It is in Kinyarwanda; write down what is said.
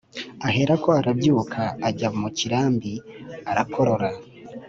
Aherako arabyuka, ajya mu kirambi. Arakorora.